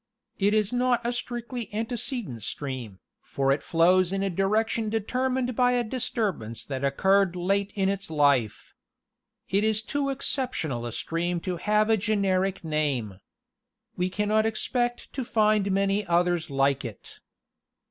It is not a strictly antecedent stream, for it flows in a direction determined by a disturbance that occurred late in its life. It is too exceptional a stream to have a generic name. We cannot expect to find many others like it.